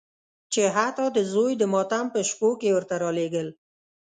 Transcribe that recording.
چې حتی د زوی د ماتم په شپو کې یې ورته رالېږل.